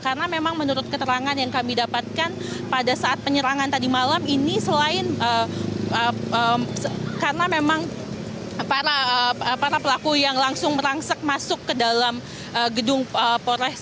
karena memang menurut keterangan yang kami dapatkan pada saat penyerangan tadi malam ini selain karena memang para pelaku yang langsung merangsek masuk ke dalam gedung polsek